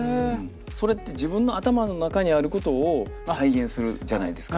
それって自分の頭の中にあることを再現するじゃないですか。